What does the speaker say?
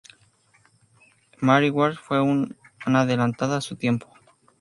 Mary Ward fue una adelantada a su tiempo.